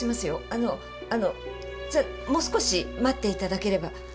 あのあのもう少し待っていただければ。